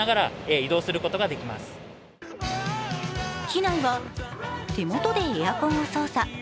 機内は手元でエアコンを操作。